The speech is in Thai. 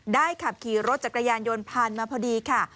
ขับขี่รถจักรยานยนต์ผ่านมาพอดีค่ะ